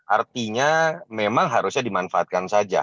artinya memang harusnya dimanfaatkan saja